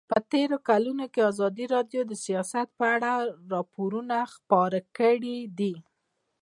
په تېرو کلونو کې ازادي راډیو د سیاست په اړه راپورونه خپاره کړي دي.